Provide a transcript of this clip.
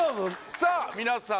さあ皆さん